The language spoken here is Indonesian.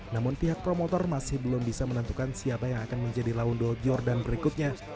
namun pihak promotor masih belum bisa menentukan siapa yang akan menjadi laundo jordan berikutnya